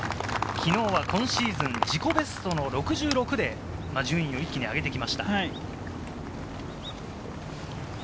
きのうは今シーズン自己ベストの６６で順位を一気に上げてきました。